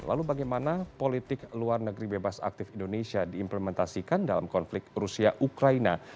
lalu bagaimana politik luar negeri bebas aktif indonesia diimplementasikan dalam konflik rusia ukraina